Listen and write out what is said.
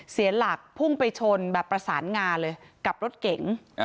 เสียหลักพุ่งไปชนแบบประสานงาเลยกับรถเก๋ง